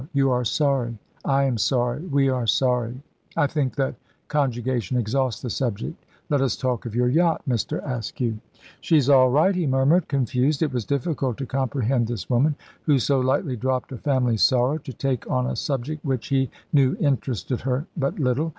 You are sorry, I am sorry, we are sorry. I think that conjugation exhausts the subject. Let us talk of your yacht, Mr. Askew." "She's all right," he murmured, confused. It was difficult to comprehend this woman, who so lightly dropped a family sorrow to take on a subject which he knew interested her but little.